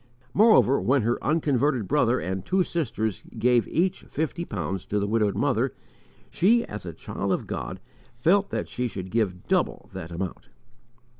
Moreover, when her unconverted brother and two sisters gave each fifty pounds to the widowed mother, she as a child of God felt that she should give double that amount.